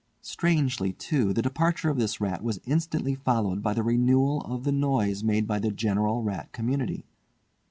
Strangely too, the departure of this rat was instantly followed by the renewal of the noise made by the general rat community.